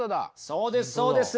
そうですそうです。